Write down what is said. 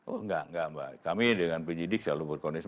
oh enggak enggak mbak kami dengan penyidik selalu berkondisi